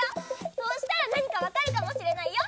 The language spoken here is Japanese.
そうしたらなにかわかるかもしれないよ！